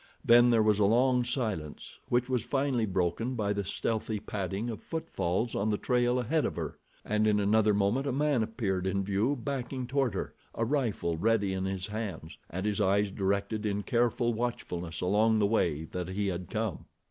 Then there was a long silence which was finally broken by the stealthy padding of footfalls on the trail ahead of her, and in another moment a man appeared in view backing toward her, a rifle ready in his hands, and his eyes directed in careful watchfulness along the way that he had come.